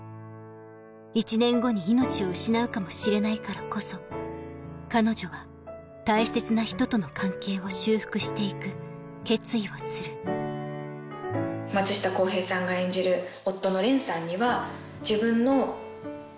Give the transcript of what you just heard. １年後に命を失うかもしれないからこそ彼女は大切な人との関係を修復していく決意をする松下洸平さんが演じる夫の蓮さんには。